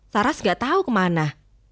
taras nggak tahu kemana